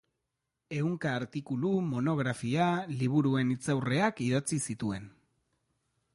Ehunka artikulu, monografia, liburuen hitzaurreak idatzi zituen.